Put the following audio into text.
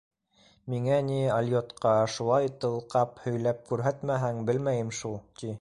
Миңә ни, алйотҡа, шулай тылҡап һөйләп күрһәтмәһәң, белмәйем шул, ти.